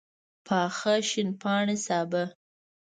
پاخه شین پاڼي سابه